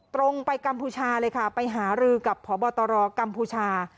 ตรงไปกัมพูชาเลยค่ะไปหารือกับพบตรกัมพูชา